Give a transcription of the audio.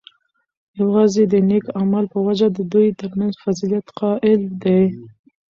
یواځی د نیک عمل په وجه د دوی ترمنځ فضیلت قایل دی،